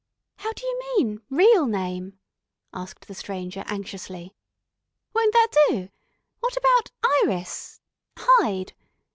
"How d'you mean real name?" asked the Stranger anxiously. "Won't that do? What about Iris ... Hyde?...